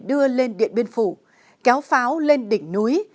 đưa lên điện biên phủ kéo pháo lên đỉnh núi